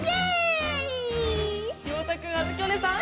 ようたくんあづきおねえさん